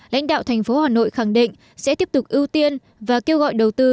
lãnh đạo thành phố hà nội khẳng định sẽ tiếp tục ưu tiên và kêu gọi đầu tư